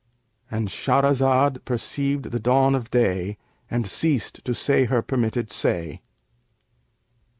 "—And Shahrazad perceived the dawn of day and ceased to say her permitted say.